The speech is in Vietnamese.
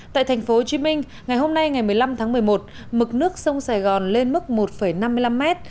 tại thành phố hồ chí minh ngày hôm nay ngày một mươi năm tháng một mươi một mực nước sông sài gòn lên mức một năm mươi năm mét